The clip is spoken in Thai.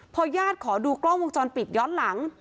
พอญาติขอดูกล้องวงจรปิดย้อนหลัง